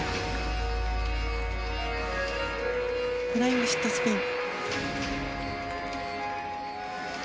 フライングシットスピン。